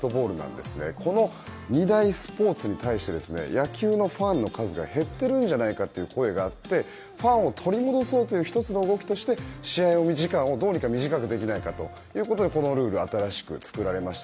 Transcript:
この二大スポーツに対して野球のファンの数が減っているんじゃないかという声があってファンを取り戻そうという１つの動きとして試合時間を短くできないかということでこのルールが作られました。